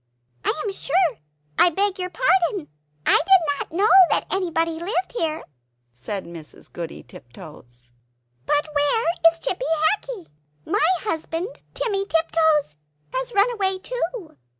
"I am sure I beg your pardon; I did not know that anybody lived here," said Mrs. Goody Tiptoes; "but where is Chippy Hackee? My husband, Timmy Tiptoes, has run away too."